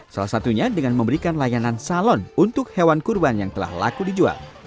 salah satunya dengan memberikan layanan salon untuk hewan kurban yang telah laku dijual